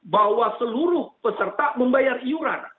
bahwa seluruh peserta membayar iuran